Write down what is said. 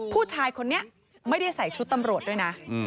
ผู้ชายคนนี้ไม่ได้ใส่ชุดตำรวจด้วยนะ